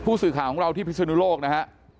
สื่อข่าวของเราที่พิศนุโลกนะฮะ